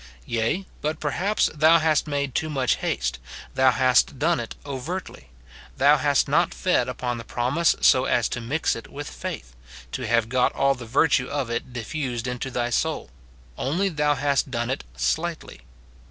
Yea, but perhaps thou hast made too much haste, thou hast done it overtly, thou hast not fed upon the promise so as to mix it with faith, to have got all the virtue of it diffused into thy soul ; only thou hast done it slightly.